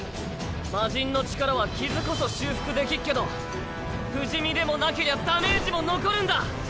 魔神の力は傷こそ修復できっけど不死身でもなけりゃダメージも残るんだ。